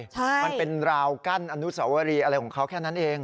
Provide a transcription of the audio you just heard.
ใช่มันเป็นราวกั้นอนุสวรีอะไรของเขาแค่นั้นเอง